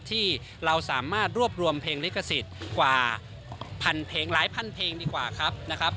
ที่เราสามารถรวบรวมเพลงลิขสิทธิ์กว่าพันเพลงหลายพันเพลงดีกว่าครับนะครับ